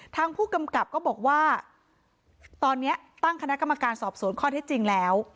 ทางผู้กำกับก็บอกว่าตอนนี้ตั้งคณะกรรมการสอบสวนข้อเท็จจริงแล้ว